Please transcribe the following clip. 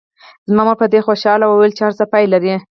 زما مور په دې خوشاله وه او ویل یې هر څه پای لري.